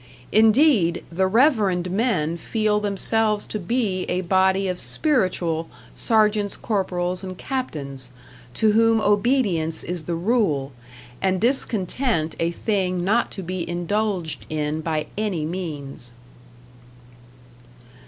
Indeed, the reverend men feel themselves to be a body of Spiritual Sergeants, Corporals, and Captains, to whom obedience is the rule, and discontent a thing not to be indulged in by any means.